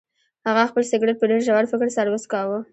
هغه خپل سګرټ په ډیر ژور فکر سره وڅکاوه.